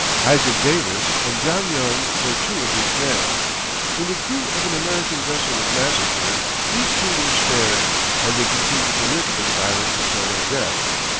Isaac Davis and John Young were two of these men. When the crew of an American vessel was massacred these two were spared, and they continued to live in the Islands until their death.